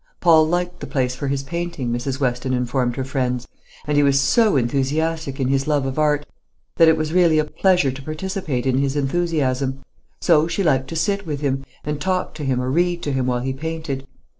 Paul liked the place for his painting, Mrs. Weston informed her friends; and he was so enthusiastic in his love of art, that it was really a pleasure to participate in his enthusiasm; so she liked to sit with him, and talk to him or read to him while he painted.